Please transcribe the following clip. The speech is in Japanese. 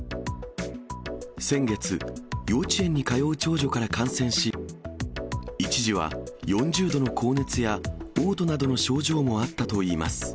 先月、幼稚園に通う長女から感染し、一時は４０度の高熱や、おう吐などの症状もあったといいます。